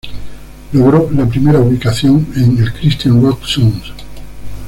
Logró la primera ubicación en el Christian Rock Songs.